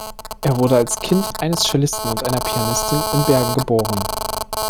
Er wurde als Kind eines Cellisten und einer Pianistin in Bergen geboren.